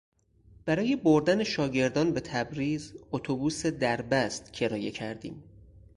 برای بردن شاگردان به تبریز اتوبوس دربست کرایه کردیم.